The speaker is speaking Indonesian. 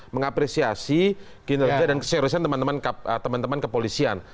mengapresiasi kinerja dan keseriusan teman teman kepolisian